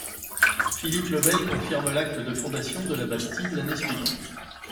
Philippe le Bel confirme l'acte de fondation de la bastide l'année suivante.